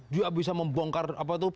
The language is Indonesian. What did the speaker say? juga bisa membongkar apa itu